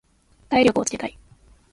体力をつけたい。